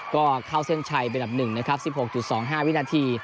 ก็เข้าเส้นชัยเป็นดับ๑นะครับ๑๖๒๕วินาที